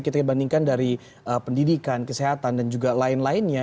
kita bandingkan dari pendidikan kesehatan dan juga lain lainnya